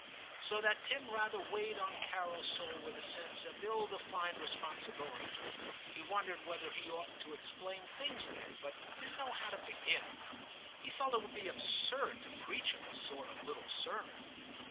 So that Tim rather weighed on Carol's soul with a sense of ill defined responsibility. He wondered whether he oughtn't to explain V TIM 91 things to him, but didn't know how to begin ; he felt it would be absurd to preach him a sort of little sermon.